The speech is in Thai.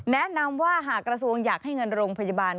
แนะนำว่าหากกระทรวงอยากให้เงินโรงพยาบาล